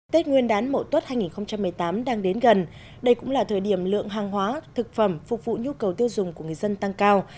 tết nguyên đán mậu tuất hai nghìn một mươi tám đang đến gần đây cũng là thời điểm lượng hàng hóa thực phẩm phục vụ nhu cầu tiêu dùng của người dân tăng cao